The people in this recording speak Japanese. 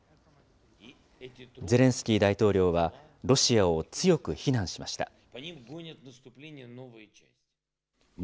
ゼレンスキー大統領はロシアを強く非難しました。